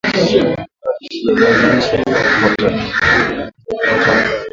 Andaa keki ya viazi lishe kwa kufuata njia zifuatazo